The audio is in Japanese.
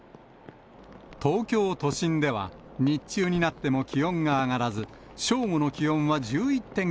東京都心では、日中になっても気温が上がらず、正午の気温は１１．９度。